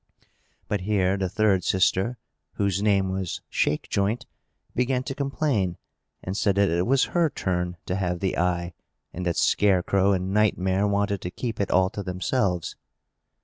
But here the third sister, whose name was Shakejoint, began to complain, and said that it was her turn to have the eye, and that Scarecrow and Nightmare wanted to keep it all to themselves.